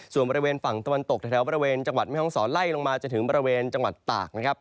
ส่วนบริเวณฝั่งตะวันตกแถวบริเวณจังหวัดแม่ห้องศรไล่ลงมาจนถึงบริเวณจังหวัดตากนะครับ